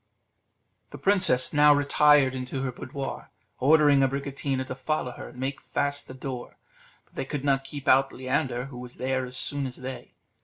The princess now retired into her boudoir, ordering Abricotina to follow her and make fast the door; but they could not keep out Leander, who was there as soon as they.